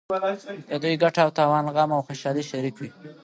د دوی ګټه او تاوان غم او خوشحالي شریک وي.